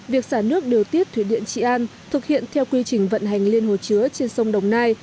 việc xả nước điều tiết thủy điện trị an thực hiện theo quy trình vận hành liên hồ chứa trên sông đồng nai